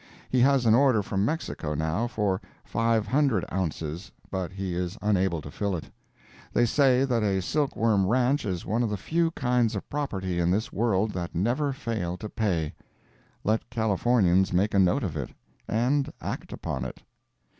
He has an order from Mexico, now, for five hundred ounces, but he is unable to fill it. They say that a silkworm ranch is one of the few kinds of property in this world that never fail to pay. Let Californians make a note of it, and act upon it.